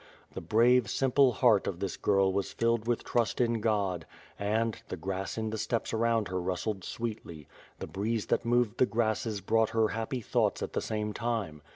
The brave, simple heart of this girl was filled with trust in God and, the grass in th e steppes around her rustled sweetly; the breeze that moved the grasses brought her happy thoughts at the same time.